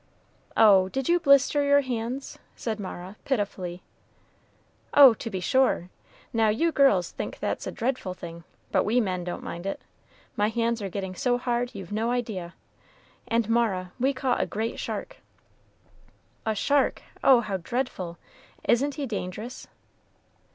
"Oh! did you blister your hands?" said Mara, pitifully. "Oh, to be sure! Now, you girls think that's a dreadful thing, but we men don't mind it. My hands are getting so hard, you've no idea. And, Mara, we caught a great shark." "A shark! oh, how dreadful! Isn't he dangerous?"